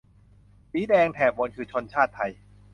สีแดงแถบบนคือชนชาติไทย